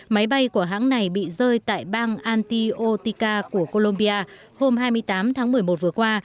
máy bay của hãng này bị rơi tại bang antiotika của colombia hôm hai mươi tám tháng một mươi một vừa qua